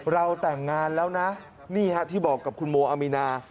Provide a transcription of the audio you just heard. เราแต่งงานแล้วนะนี่ฮะที่บอกกับคุณโมอามีนา